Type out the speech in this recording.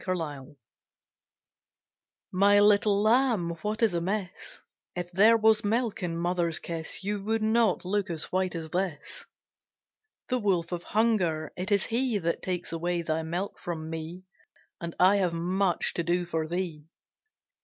THE STARVED My little Lamb, what is amiss? If there was milk in mother's kiss, You would not look as white as this. The wolf of Hunger, it is he That takes away thy milk from me, And I have much to do for thee.